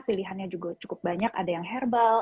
pilihannya juga cukup banyak ada yang herbal